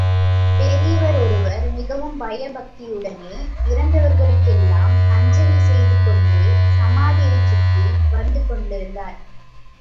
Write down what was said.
பெரியவர் ஒருவர் மிகவும் பயபக்தியுடனே இறந்தவர்களுக்கெல்லாம் அஞ்சலி செய்து கொண்டே சமாதிகளைச் சுற்றி வந்துகொண்டிருந்தார்.